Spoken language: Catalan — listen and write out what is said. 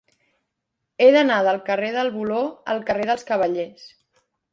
He d'anar del carrer del Voló al carrer dels Cavallers.